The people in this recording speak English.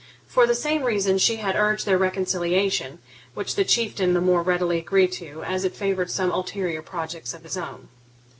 For the same reason she had urged their reconciliation, which the Chieftain the more readily agreed to as it favoured some ulterior projects of his own.